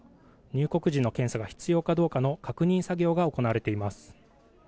入国時の検査が必要かどうかの確認作業が行われています。